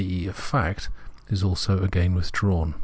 e. of fact, is also again withdrawn.